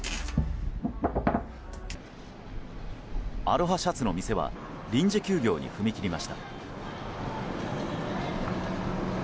アロハシャツの店は臨時休業に踏み切りました。